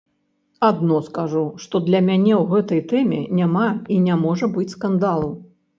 Адно скажу, што для мяне ў гэтай тэме няма і не можа быць скандалу.